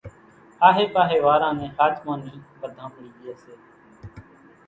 آھي پاھي واران نين ۿاچمان ني وڌامڻي ڄي سي